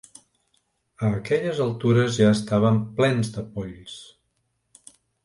A aquelles altures ja estàvem plens de polls